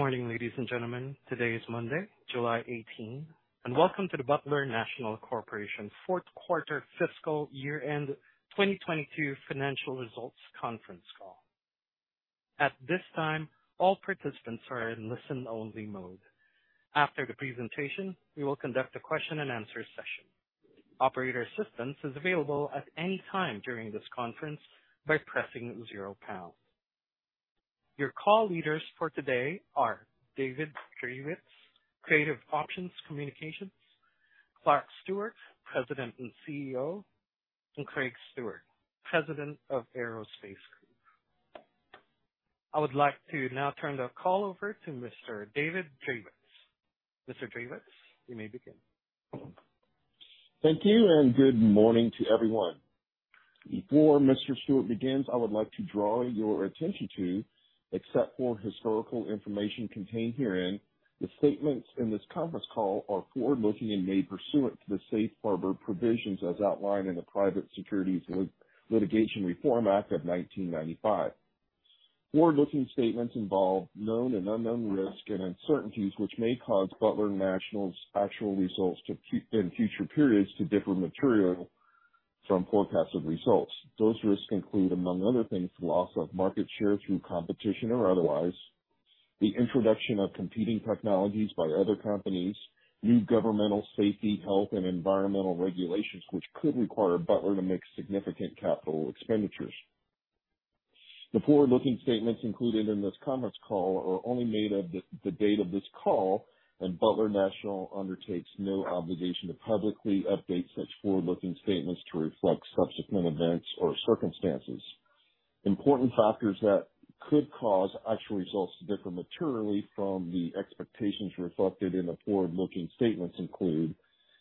Good morning, ladies and gentlemen. Today is Monday, July 18, and welcome to the Butler National Corporation fourth quarter fiscal year-end 2022 financial results conference call. At this time, all participants are in listen-only mode. After the presentation, we will conduct a question and answer session. Operator assistance is available at any time during this conference by pressing zero pound. Your call leaders for today are David Drewitz, Creative Options Communications, Clark Stewart, President and CEO, and Craig Stewart, President of Aerospace Group. I would like to now turn the call over to Mr. David Drewitz. Mr. Drewitz, you may begin. Thank you, and good morning to everyone. Before Mr. Stewart begins, I would like to draw your attention to, except for historical information contained herein, the statements in this conference call are forward-looking and made pursuant to the Safe Harbor Provisions as outlined in the Private Securities Litigation Reform Act of 1995. Forward-looking statements involve known and unknown risks and uncertainties which may cause Butler National's actual results in future periods to differ materially from forecasted results. Those risks include, among other things, loss of market share through competition or otherwise, the introduction of competing technologies by other companies, new governmental safety, health, and environmental regulations, which could require Butler to make significant capital expenditures. The forward-looking statements included in this conference call are only made as of the date of this call, and Butler National undertakes no obligation to publicly update such forward-looking statements to reflect subsequent events or circumstances. Important factors that could cause actual results to differ materially from the expectations reflected in the forward-looking statements include,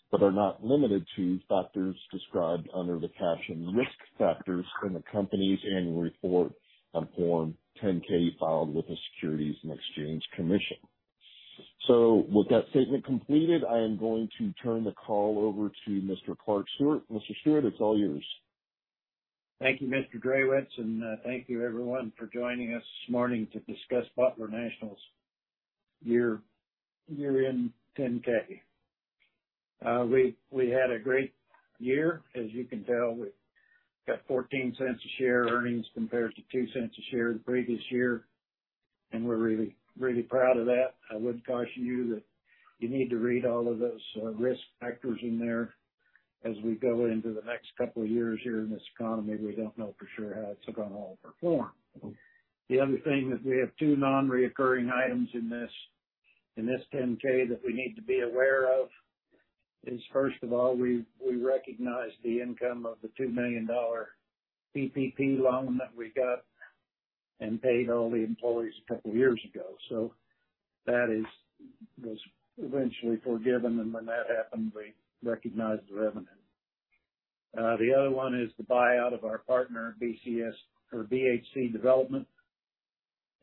but are not limited to, factors described under the caption Risk Factors in the company's annual report on Form 10-K filed with the Securities and Exchange Commission. With that statement completed, I am going to turn the call over to Mr. Clark Stewart. Mr. Stewart, it's all yours. Thank you, Mr. Drewitz, and thank you everyone for joining us this morning to discuss Butler National's year-end 10-K. We had a great year. As you can tell, we've got $0.14 a share earnings compared to $0.02 a share the previous year, and we're really proud of that. I would caution you that you need to read all of those risk factors in there as we go into the next couple of years here in this economy. We don't know for sure how it's gonna all perform. The other thing that we have two non-recurring items in this 10-K that we need to be aware of is, first of all, we recognized the income from the $2 million PPP loan that we got and paid all the employees a couple years ago. That was eventually forgiven, and when that happened, we recognized the revenue. The other one is the buyout of our partner, BHC Development.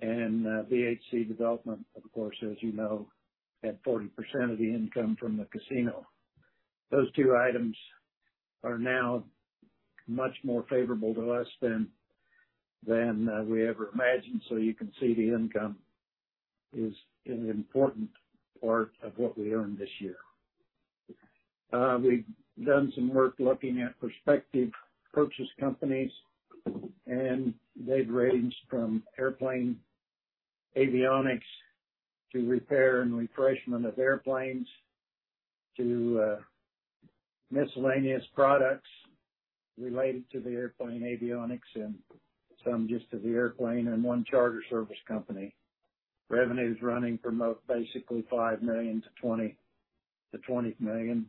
BHC Development, of course, as you know, had 40% of the income from the casino. Those two items are now much more favorable to us than we ever imagined. You can see the income is an important part of what we earned this year. We've done some work looking at prospective purchase companies, and they've ranged from airplane avionics to repair and refreshment of airplanes to miscellaneous products related to the airplane avionics and some just to the airplane and one charter service company. Revenue's running from about basically $5 million-$20 million.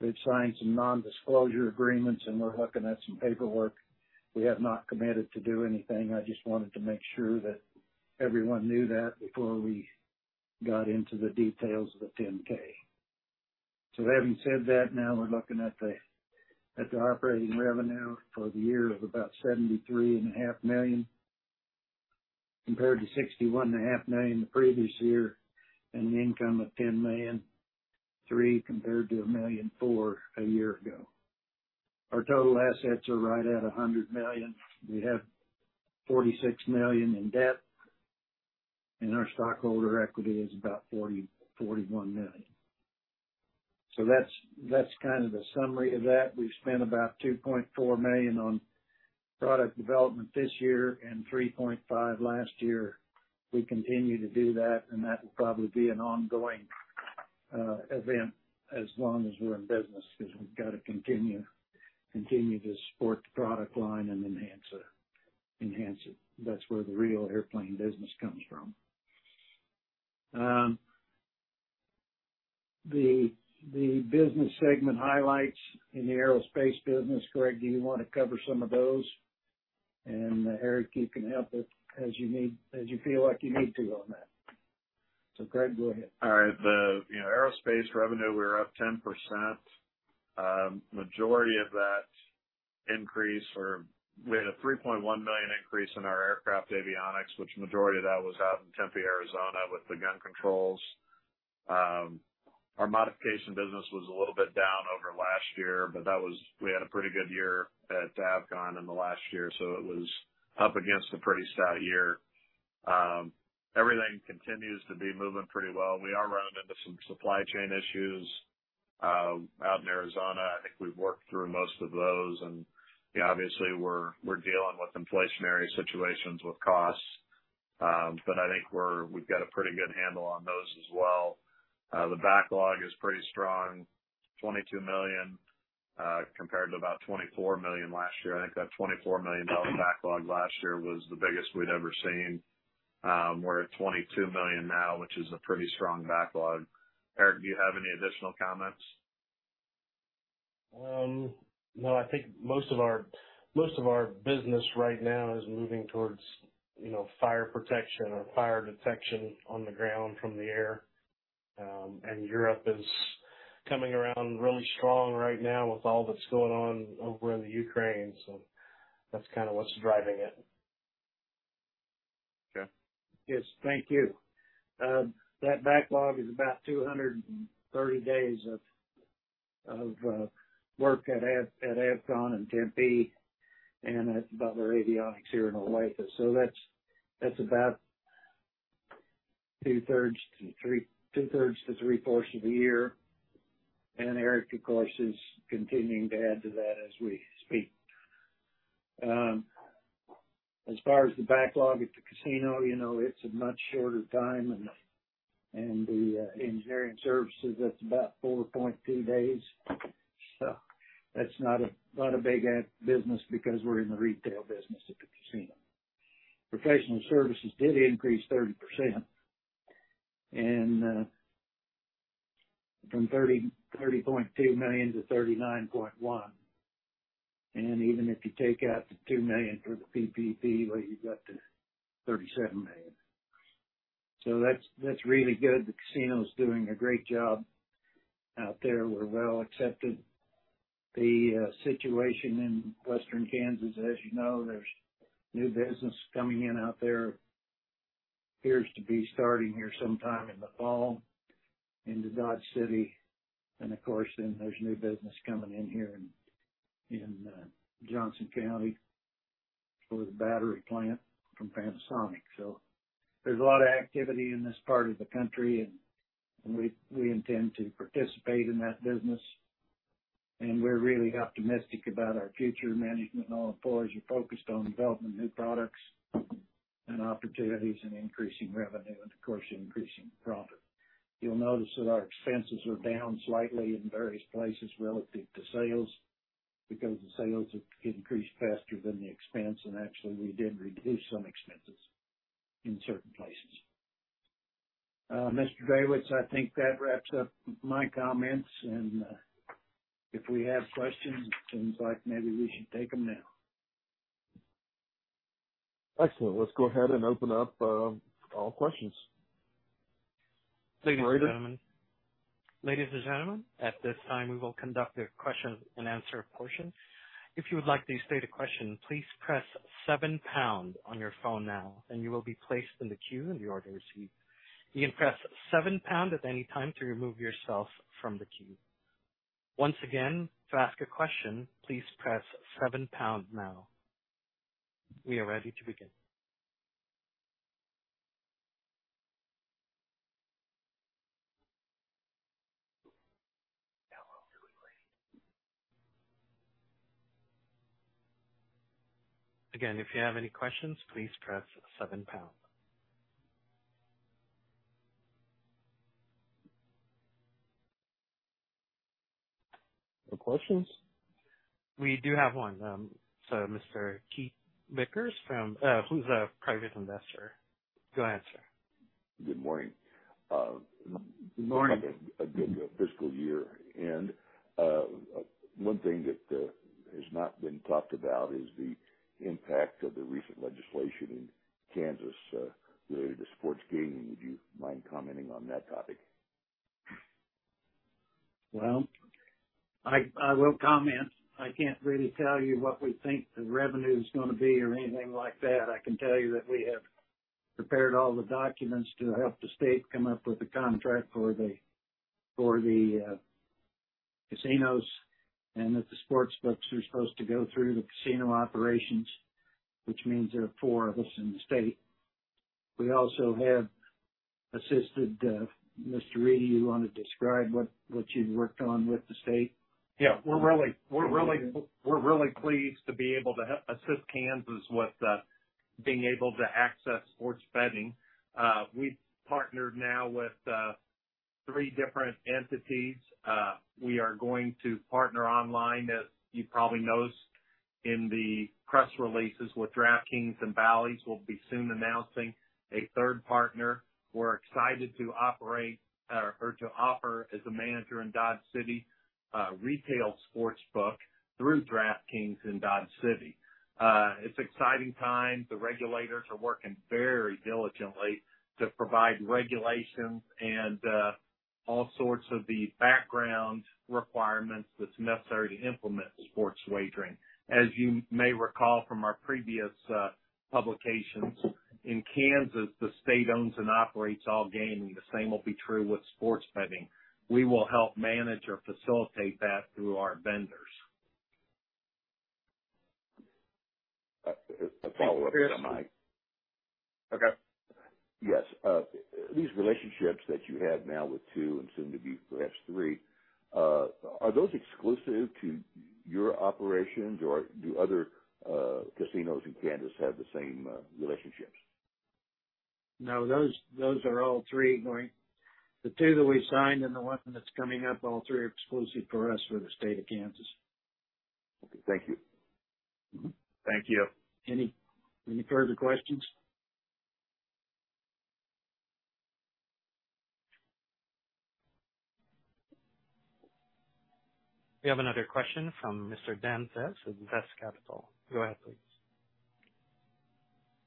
We've signed some non-disclosure agreements, and we're looking at some paperwork. We have not committed to do anything. I just wanted to make sure that everyone knew that before we got into the details of the 10-K. Having said that, now we're looking at the operating revenue for the year of about $73.5 million, compared to $61 and a half million the previous year, and the income of $10.3 million, compared to $1.4 million a year ago. Our total assets are right at $100 million. We have $46 million in debt, and our stockholder equity is about $40-$41 million. That's kind of the summary of that. We've spent about $2.4 million on product development this year and $3.5 million last year. We continue to do that, and that will probably be an ongoing event as long as we're in business, because we've got to continue to support the product line and enhance it. That's where the real airplane business comes from. The business segment highlights in the aerospace business, Greg, do you wanna cover some of those? And Aric, you can help as you need, as you feel like you need to on that. Greg, go ahead. All right. You know, aerospace revenue, we were up 10%. Majority of that increase or we had a $3.1 million increase in our aircraft avionics which, the majority of that, was out in Tempe, Arizona with the Gun Control Units. Our modification business was a little bit down over last year, but that was. We had a pretty good year at Avcon in the last year, so it was up against a pretty stout year. Everything continues to be moving pretty well. We are running into some supply chain issues out in Arizona. I think we've worked through most of those, and obviously we're dealing with inflationary situations with costs. But I think we've got a pretty good handle on those as well. The backlog is pretty strong, $22 million, compared to about $24 million last year. I think that $24 million dollar backlog last year was the biggest we'd ever seen. We're at $22 million now, which is a pretty strong backlog. Aric, do you have any additional comments? No. I think most of our business right now is moving towards, you know, fire protection or fire detection on the ground from the air. Europe is coming around really strong right now with all that's going on over in the Ukraine. That's kinda what's driving it. Okay. Yes. Thank you. That backlog is about 230 days of work at Avcon in Tempe and at Butler Avionics here in Olathe. That's about two-thirds to three-fourths of the year. Aric, of course, is continuing to add to that as we speak. As far as the backlog at the casino, you know, it's a much shorter time, and the engineering services, that's about 4.2 days. That's not a big business because we're in the retail business at the casino. Professional services did increase 30% from $30.2 million to $39.1 million. Even if you take out the $2 million for the PPP, you got the $37 million. That's really good. The casino's doing a great job out there. We're well accepted. The situation in Western Kansas, as you know, there's new business coming in out there. Appears to be starting here sometime in the fall into Dodge City. Of course, then there's new business coming in here in Johnson County for the battery plant from Panasonic. There's a lot of activity in this part of the country, and we intend to participate in that business. We're really optimistic about our future. Management and all employees are focused on developing new products and opportunities and increasing revenue and of course, increasing profit. You'll notice that our expenses are down slightly in various places relative to sales, because the sales have increased faster than the expense, and actually, we did reduce some expenses in certain places. Mr. Drewitz, I think that wraps up my comments. If we have questions, it seems like maybe we should take them now. Excellent. Let's go ahead and open up all questions. Ladies and gentlemen. Ladies and gentlemen, at this time, we will conduct a question and answer portion. If you would like to state a question, please press 7 pound on your phone now and you will be placed in the queue in the order received. You can press 7 pound at any time to remove yourself from the queue. Once again, to ask a question, please press 7 pound now. We are ready to begin. Again, if you have any questions, please press 7 pound. No questions? We do have one. Mr. Keith Vickers from, who's a Private Investor. Go ahead, sir. Good morning. Morning. Looks like a good fiscal year. One thing that has not been talked about is the impact of the recent legislation in Kansas related to sports gaming. Would you mind commenting on that topic? Well, I will comment. I can't really tell you what we think the revenue is gonna be or anything like that. I can tell you that we have prepared all the documents to help the state come up with a contract for the casinos and that the sportsbooks are supposed to go through the casino operations, which means there are four of us in the state. We also have assisted Mr. Reedy. You wanna describe what you've worked on with the state? Yeah. We're really pleased to be able to assist Kansas with being able to access sports betting. We've partnered now with three different entities. We are going to partner online, as you probably noticed in the press releases with DraftKings and Bally's. We'll be soon announcing a third partner. We're excited to operate or to offer as a manager in Dodge City, a retail sportsbook through DraftKings in Dodge City. It's exciting times. The regulators are working very diligently to provide regulations and all sorts of the background requirements that's necessary to implement sports wagering. As you may recall from our previous publications, in Kansas, the state owns and operates all gaming. The same will be true with sports betting. We will help manage or facilitate that through our vendors. A follow-up if I might. Okay. Yes. These relationships that you have now with two and soon to be perhaps three are those exclusive to your operations, or do other casinos in Kansas have the same relationships? No, those are all three going. The two that we signed and the one that's coming up, all three are exclusive for us for the state of Kansas. Okay. Thank you. Mm-hmm. Thank you. Any further questions? We have another question from Mr. Dan Zeff with Zeff Capital. Go ahead, please.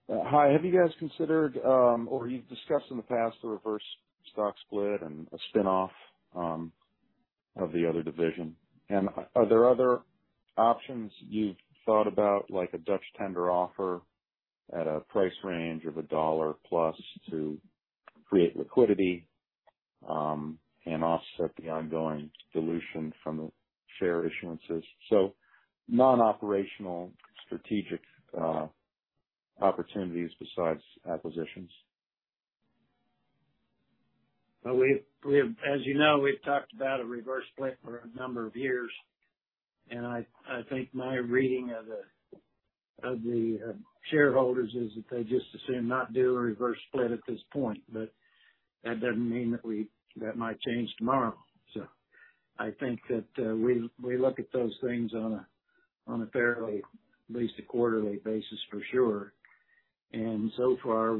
Hi. Have you guys considered, or you've discussed in the past, the reverse stock split and a spin-off of the other division? Are there other options you've thought about, like a Dutch tender offer at a price range of $1 plus to create liquidity, and offset the ongoing dilution from the share issuances? Non-operational strategic opportunities besides acquisitions. Well, we have. As you know, we've talked about a reverse split for a number of years. I think my reading of the shareholders is that they just assume not do a reverse split at this point. That doesn't mean that might change tomorrow. I think that we look at those things on a fairly at least a quarterly basis for sure. So far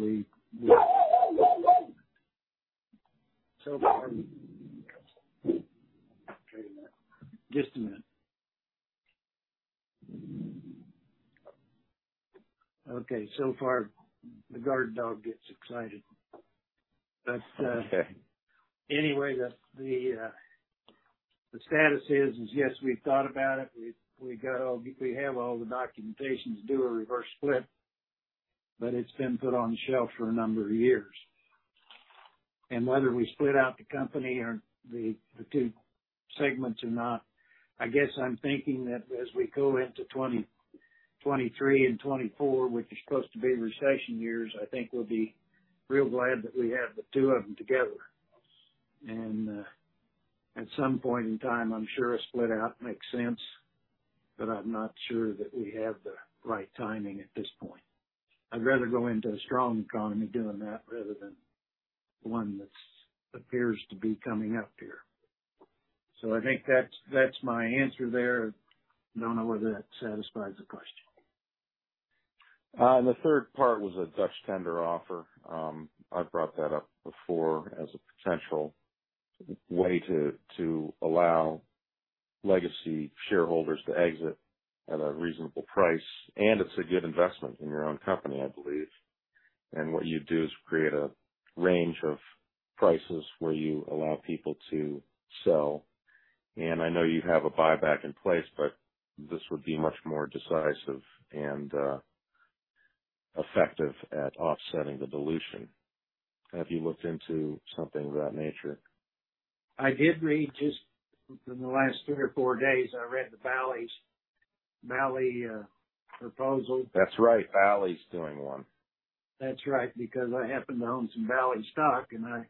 we've. The guard dog gets excited. But Okay. Anyway, the status is yes, we've thought about it. We have all the documentation to do a reverse split, but it's been put on shelf for a number of years. Whether we split out the company or the two segments or not, I guess I'm thinking that as we go into 2023 and 2024, which are supposed to be recession years, I think we'll be real glad that we have the two of them together. At some point in time, I'm sure a split out makes sense, but I'm not sure that we have the right timing at this point. I'd rather go into a strong economy doing that rather than one that appears to be coming up here. I think that's my answer there. Don't know whether that satisfies the question. The third part was a Dutch tender offer. I've brought that up before as a potential way to allow legacy shareholders to exit at a reasonable price, and it's a good investment in your own company, I believe. What you do is create a range of prices where you allow people to sell. I know you have a buyback in place, but this would be much more decisive and effective at offsetting the dilution. Have you looked into something of that nature? I did read just in the last three or four days. I read the Bally's, Bally, proposal. That's right. Bally's doing one. That's right. Because I happen to own some Bally's stock, and I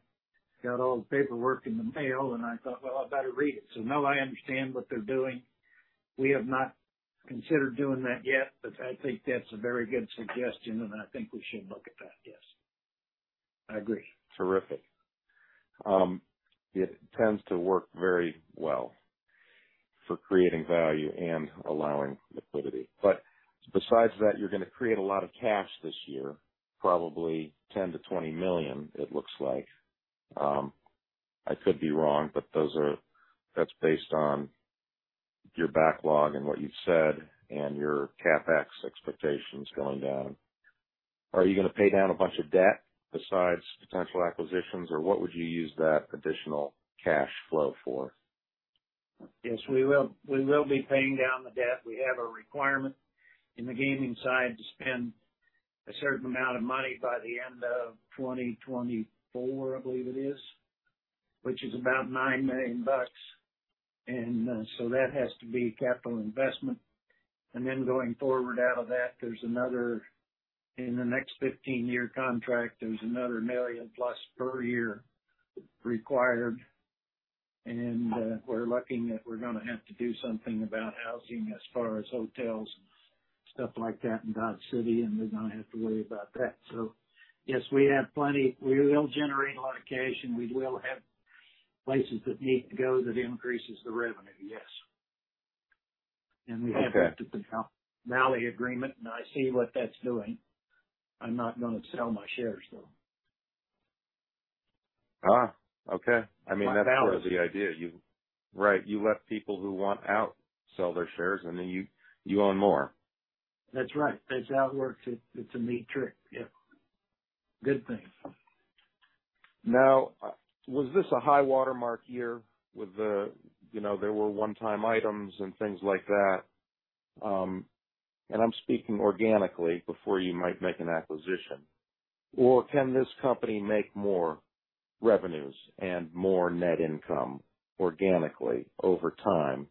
got all the paperwork in the mail, and I thought, "Well, I better read it." No, I understand what they're doing. We have not considered doing that yet, but I think that's a very good suggestion, and I think we should look at that, yes. I agree. Terrific. It tends to work very well for creating value and allowing liquidity. Besides that, you're gonna create a lot of cash this year, probably $10-$20 million, it looks like. I could be wrong, but that's based on your backlog and what you've said and your CapEx expectations going down. Are you gonna pay down a bunch of debt besides potential acquisitions, or what would you use that additional cash flow for? Yes, we will be paying down the debt. We have a requirement in the gaming side to spend a certain amount of money by the end of 2024, I believe it is, which is about $9 million, so that has to be capital investment. Then going forward out of that, there's another in the next 15-year contract, million-plus per year required. We're lucky that we're gonna have to do something about housing as far as hotels and stuff like that in Dodge City, and we're gonna have to worry about that. Yes, we have plenty. We will generate a lot of cash, and we will have places that need to go that increases the revenue, yes. Okay. We have looked at the Bally's agreement, and I see what that's doing. I'm not gonna sell my shares, though. Okay. I mean, that's part of the idea. Right. You let people who want out sell their shares, and then you own more. That's right. That's how it works. It's a neat trick. Yep. Good thing. Now, was this a high watermark year with the, you know, there were one-time items and things like that. I'm speaking organically before you might make an acquisition. Can this company make more revenues and more net income organically over time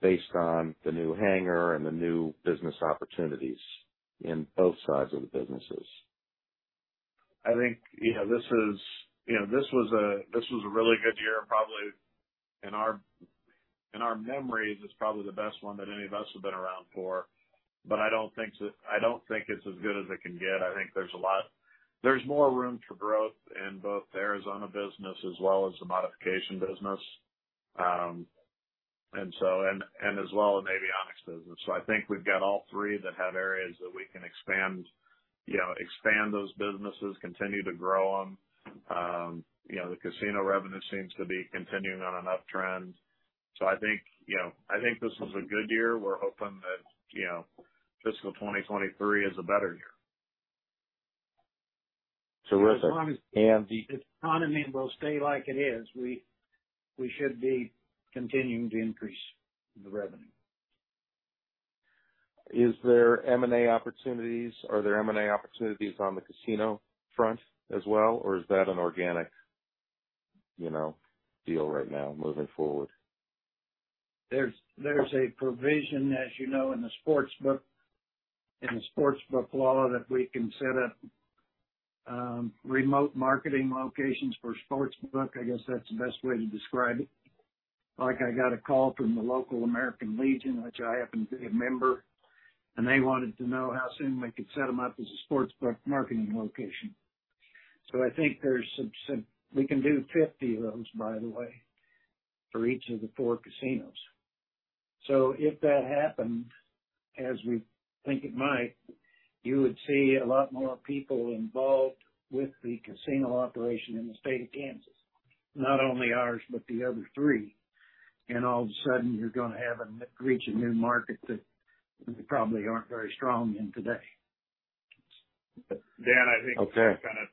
based on the new hangar and the new business opportunities in both sides of the businesses? I think this was a really good year, probably in our memories, it's probably the best one that any of us have been around for. I don't think it's as good as it can get. I think there's more room for growth in both the Arizona business as well as the modification business as well as avionics business. I think we've got all three that have areas that we can expand, you know, expand those businesses, continue to grow them. You know, the casino revenue seems to be continuing on an uptrend. I think, you know, I think this was a good year. We're hoping that, you know, fiscal 2023 is a better year. Terrific. As long as the economy will stay like it is, we should be continuing to increase the revenue. Is there M&A opportunities? Are there M&A opportunities on the casino front as well, or is that an organic, you know, deal right now moving forward? There's a provision, as you know, in the sportsbook, in the sportsbook law, that we can set up remote marketing locations for sportsbook. I guess that's the best way to describe it. Like, I got a call from the local American Legion, which I happen to be a member, and they wanted to know how soon we could set them up as a sportsbook marketing location. I think there's some. We can do 50 of those, by the way, for each of the four casinos. If that happens, as we think it might, you would see a lot more people involved with the casino operation in the state of Kansas. Not only ours, but the other three. All of a sudden, you're gonna reach a new market that you probably aren't very strong in today. Dan, I think. Okay. To kind of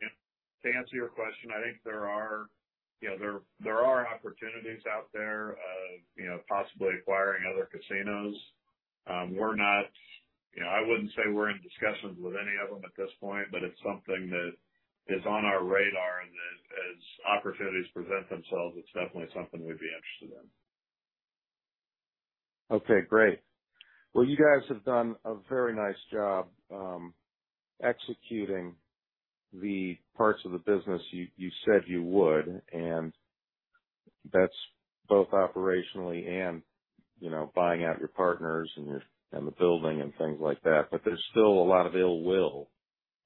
answer your question, I think there are, you know, there are opportunities out there of, you know, possibly acquiring other casinos. We're not. You know, I wouldn't say we're in discussions with any of them at this point, but it's something that is on our radar and that as opportunities present themselves, it's definitely something we'd be interested in. Okay, great. Well, you guys have done a very nice job, executing the parts of the business you said you would, and that's both operationally and, you know, buying out your partners and your, and the building and things like that. There's still a lot of ill will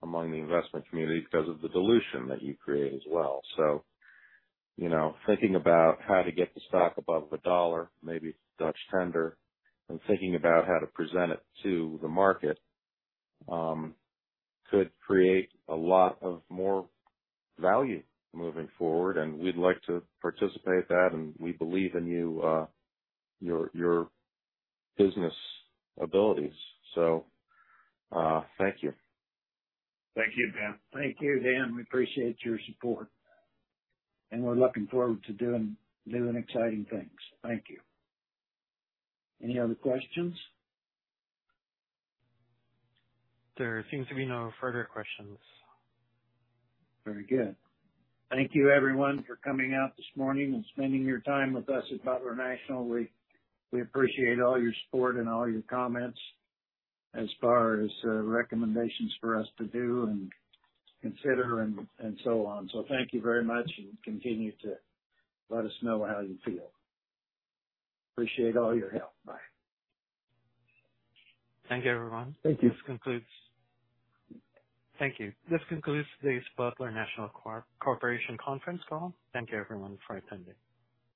among the investment community because of the dilution that you create as well. You know, thinking about how to get the stock above $1, maybe Dutch tender, and thinking about how to present it to the market, could create a lot more value moving forward. We'd like to participate in that, and we believe in you, your business abilities. Thank you. Thank you, Dan. Thank you, Dan. We appreciate your support, and we're looking forward to doing exciting things. Thank you. Any other questions? There seems to be no further questions. Very good. Thank you everyone for coming out this morning and spending your time with us at Butler National. We appreciate all your support and all your comments as far as recommendations for us to do and consider and so on. So thank you very much and continue to let us know how you feel. Appreciate all your help. Bye. Thank you, everyone. Thank you. This concludes today's Butler National Corporation conference call. Thank you everyone for attending.